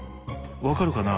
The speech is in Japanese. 分かるかな。